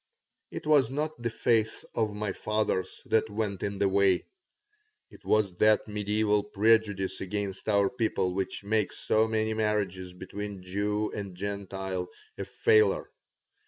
It was not the faith of my fathers that was in the way. It was that medieval prejudice against our people which makes so many marriages between Jew and Gentile a failure.